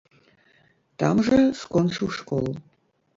Там жа скончыў школу.